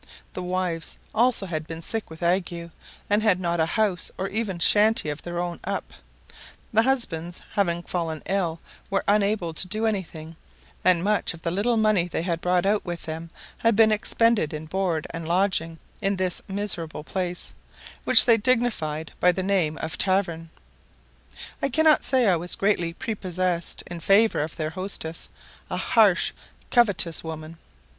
The wives also had been sick with ague, and had not a house or even shanty of their own up; the husbands having fallen ill were unable to do anything; and much of the little money they had brought out with them had been expended in board and lodging in this miserable place, which they dignified by the name of tavern. I cannot say I was greatly prepossessed in favour of their hostess, a harsh, covetous woman.